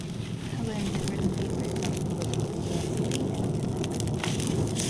Cowen has written papers on political philosophy and ethics.